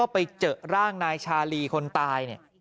ไปเจอร่างนายชาลีคนตาย